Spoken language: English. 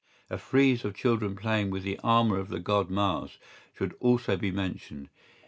¬Ý A frieze of children playing with the armour of the god Mars should also be mentioned.